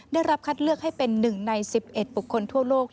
ได้รับคัดเลือกให้เป็น๑ใน๑๑บุคคลทั่วโลก